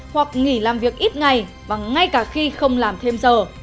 hoặc nghỉ làm việc ít ngày và ngay cả khi không làm thêm giờ